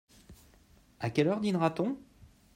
À quelle heure dînera-t-on ?